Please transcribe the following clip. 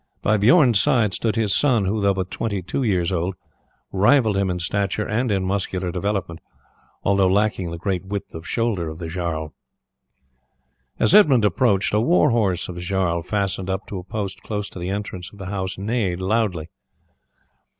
By Bijorn's side stood his son, who, though but twenty two years old, rivalled him in stature and in muscular development, although lacking the great width of shoulder of the jarl. As Edmund approached, a war horse of the jarl fastened up to a post close to the entrance of the house neighed loudly.